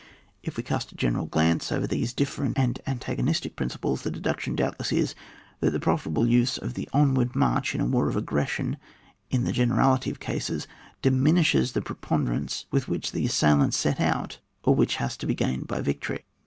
If we cast a general glance over these different and antagonistic principles, the deduction, doubtless is, that the profitable use of the onward march in a war of aggres sion, in the generality of cases, diminishes the preponderance with which the assail ant set out, or which has been gained by victory.